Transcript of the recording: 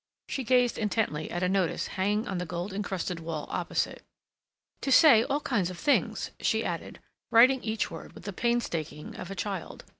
She gazed intently at a notice hanging on the gold encrusted wall opposite, "... to say all kinds of things," she added, writing each word with the painstaking of a child.